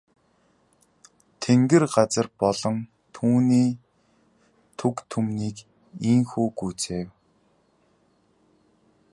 Тэнгэр газар болон түүний түг түмнийг ийнхүү гүйцээв.